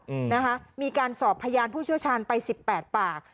อืมนะคะมีการสอบพยานผู้เชี่ยวชาญไปสิบแปดปาก